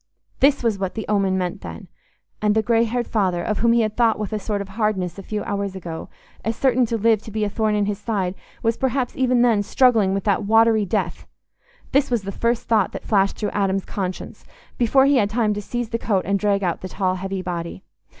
This was what the omen meant, then! And the grey haired father, of whom he had thought with a sort of hardness a few hours ago, as certain to live to be a thorn in his side was perhaps even then struggling with that watery death! This was the first thought that flashed through Adam's conscience, before he had time to seize the coat and drag out the tall heavy body.